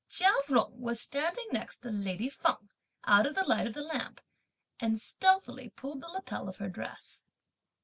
Chia Jung was standing next to lady Feng, out of the light of the lamp, and stealthily pulled the lapel of her dress.